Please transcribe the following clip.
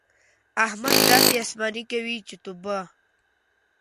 احمد داسې اسماني کوي چې توبه!